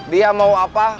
dia mau apa